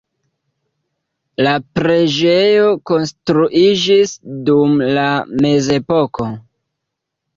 La preĝejo konstruiĝis dum la mezepoko.